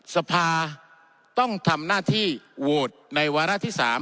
สภาต้องทำหน้าที่โหวตในวาระที่๓